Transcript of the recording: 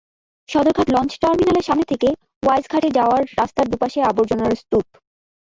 Sadarghat launch টার্মিনালের সামনে থেকে ওয়াইজ ঘাটে যাওয়ার রাস্তার দুপাশে আবর্জনার স্তূপ।